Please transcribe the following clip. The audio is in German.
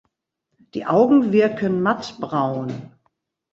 Die Augen wirken matt braun.